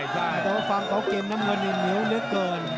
เต้าฟังเขาเก็นน้ำมือหนึ่งเหนียวเกิน